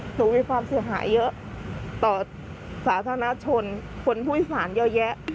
หนูมีความเสียหายเยอะต่อสาธารณชนคนผู้โดยสารเยอะแยะ